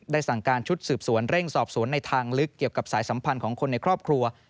สั่งการชุดสืบสวนเร่งสอบสวนในทางลึกเกี่ยวกับสายสัมพันธ์ของคนในครอบครัว